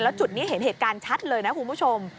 แล้วจุดนี้เห็นเหตุการณ์ชัดเลยนะคุณผู้ชม